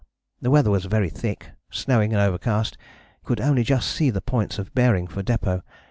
The weather was very thick, snowing and overcast, could only just see the points of bearing for depôt.